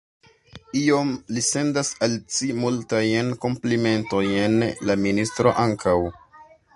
Iom; li sendas al ci multajn komplimentojn; la ministro ankaŭ.